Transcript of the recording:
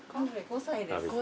５歳です。